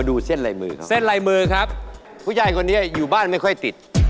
โอ้โฮจริงแหละคู่ชีวิตมึง